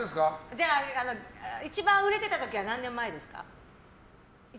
じゃあ、一番売れてた時は何年前ですか？